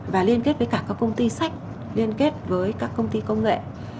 và liên kết với cả các công ty sách liên kết với các công ty công nghệ